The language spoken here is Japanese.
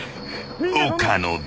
［岡野だ］